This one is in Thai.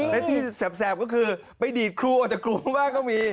และที่แสบก็คือไปดีดครูอาจกลุมมากก็มี